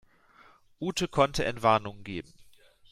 Ute konnte Entwarnung geben.